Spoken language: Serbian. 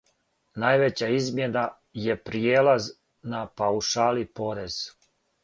Највећа измјена је пријелаз на паушали порез.